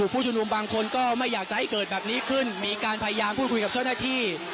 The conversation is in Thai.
ผู้ชุมนุมบางคนก็ไม่อยากจะให้เกิดแบบนี้ขึ้นมีการพยายามพูดคุยกับเจ้าหน้าที่